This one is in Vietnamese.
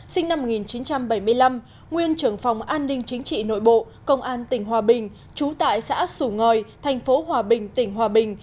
sinh năm một nghìn chín trăm bảy mươi năm nguyên trưởng phòng an ninh chính trị nội bộ công an tỉnh hòa bình trú tại xã sủ ngòi thành phố hòa bình tỉnh hòa bình